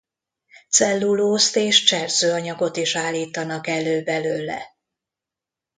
Cellulózt és cserzőanyagot is állítanak elő belőle.